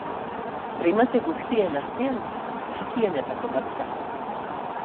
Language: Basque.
Primate guztien artean txikienetako bat da.